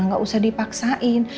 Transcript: gak usah dipaksain